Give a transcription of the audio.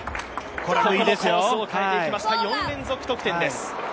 ここもコースを変えていきました、４連続得点です。